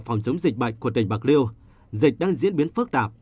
phòng chống dịch bệnh của tỉnh bạc liêu dịch đang diễn biến phức tạp